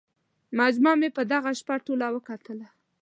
مجموعه مې په دغه شپه ټوله وکتله.